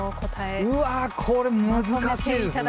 うわこれ難しいですね。